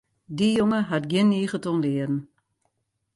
Dy jonge hat gjin niget oan learen.